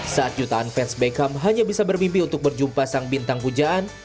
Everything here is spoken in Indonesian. saat jutaan fans beckham hanya bisa bermimpi untuk berjumpa sang bintang pujaan